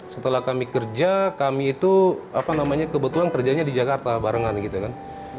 setelah kami kerja kami itu apa namanya kebetulan kerjanya di jakarta barengan gitu kan